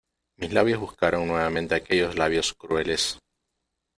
mis labios buscaron nuevamente aquellos labios crueles.